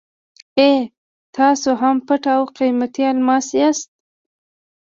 اې! تاسو هغه پټ او قیمتي الماس یاست.